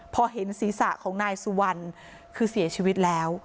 พอเห็นศีรษะของนายสุวรรณคือเสียชีวิตแล้ว